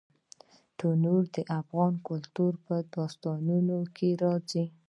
تنوع د افغان کلتور په داستانونو کې راځي.